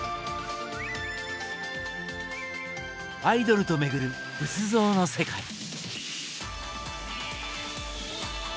「アイドルと巡る仏像の世界」。